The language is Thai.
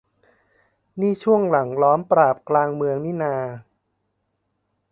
นี่ช่วงหลังล้อมปราบกลางเมืองนี่นา